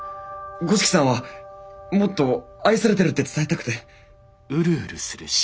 五色さんはもっと愛されてるって伝えたくて。